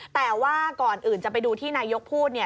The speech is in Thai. แต่ว่าก่อนอื่นจะไปดูที่นายกพูด